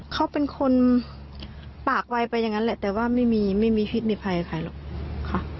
เขาเป็นคนปากไวไปอย่างนั้นแหละแต่ว่าไม่มีไม่มีพิษในภัยใครหรอกค่ะ